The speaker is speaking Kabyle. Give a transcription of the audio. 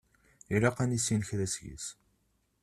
Ilaq ad nissin kra seg-s.